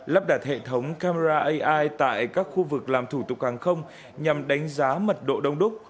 lắp đặt hệ thống camera ai tại các khu vực làm thủ tục hàng không nhằm đánh giá mật độ đông đúc